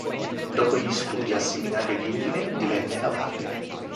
Dopo gli studi al seminario di Udine, divenne abate.